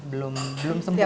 belum belum sempurna